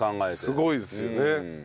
すごいですよね。